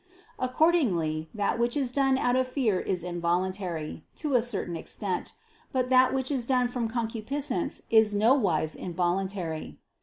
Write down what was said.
Accordingly, that which is done out of fear is involuntary, to a certain extent, but that which is done from concupiscence is nowise involuntary.